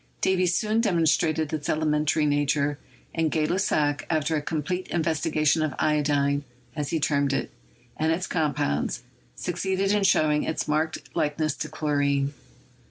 Davy soon demon strated its elementary nature, and Gay Lussac, after a complete investigation of iodine, as he termed it, and its compounds, succeeded in showing its marked likeness to chlorine.